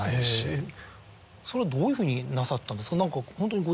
それはどういうふうになさったんですか？